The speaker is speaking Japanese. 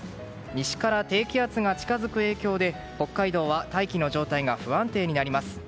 西から低気圧が近づく影響で北海道は大気の状態が不安定になります。